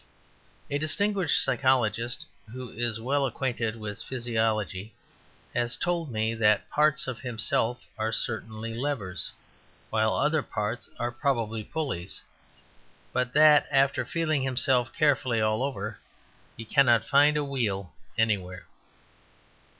A distinguished psychologist, who is well acquainted with physiology, has told me that parts of himself are certainly levers, while other parts are probably pulleys, but that after feeling himself carefully all over, he cannot find a wheel anywhere.